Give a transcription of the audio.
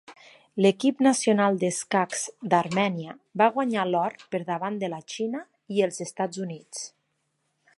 L'equip nacional d'escacs d'Armènia va guanyar l'or per davant de la Xina i els Estats Units.